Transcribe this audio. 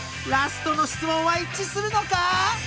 ［ラストの質問は一致するのか⁉］